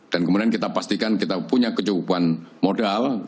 dan kemudian kita pastikan kita punya kecukupan modal